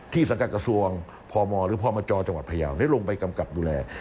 สังกัดกระทรวงพมหรือพมจจังหวัดพยาวได้ลงไปกำกับดูแล